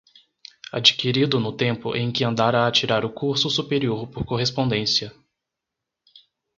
adquirido no tempo em que andara a tirar o curso superior por correspondência